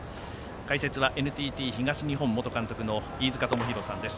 解説はＮＴＴ東日本元監督の飯塚智広さんです。